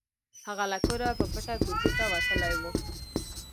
هغه له کوره په پټه کوڅې ته وتلی و